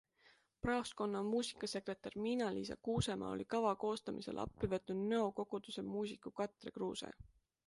Praostkonna muusikasekretär Miina-Liisa Kuusemaa oli kava koostamisel appi võtnud Nõo koguduse muusiku Katre Kruuse.